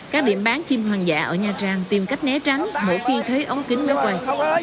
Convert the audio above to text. các điểm bán chim hoang dã ở nha trang tìm cách né trắng mỗi khi thấy ống kính mới quay